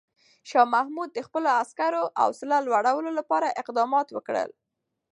شاه محمود د خپلو عسکرو حوصله لوړولو لپاره اقدامات وکړل.